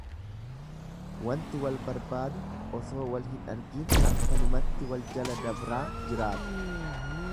Wanti wal barbaadu otoo wal hin argiin akkanumatti wal jala dabraa jiraatu.